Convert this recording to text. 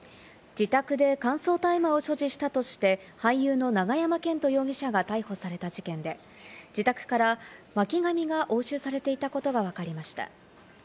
自宅で乾燥大麻を所持したとして、俳優の永山絢斗容疑者が逮捕された事件で、自宅から巻き紙が押収されていたことがわかりました。